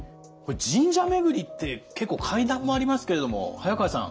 神社めぐりって結構階段もありますけれども早川さん